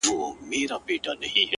زما د زړه گلونه ساه واخلي _